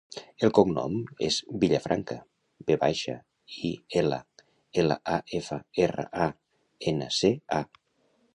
El cognom és Villafranca: ve baixa, i, ela, ela, a, efa, erra, a, ena, ce, a.